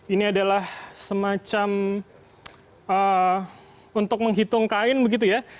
ini adalah semacam untuk menghitung kain begitu ya